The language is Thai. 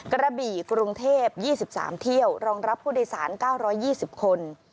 กระบี่กรุงเทพ๒๓เที่ยวรองรับผู้โดยสาร๙๒๐คน